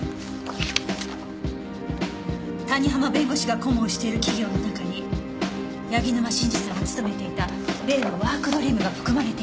谷浜弁護士が顧問している企業の中に柳沼真治さんが勤めていた例のワークドリームが含まれています。